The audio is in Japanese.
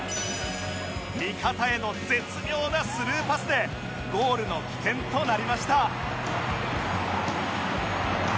味方への絶妙なスルーパスでゴールの起点となりました